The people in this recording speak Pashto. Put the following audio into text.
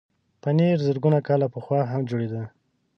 پنېر زرګونه کاله پخوا هم جوړېده.